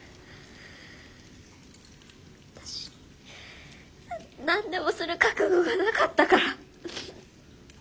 私に何でもする覚悟がなかったから。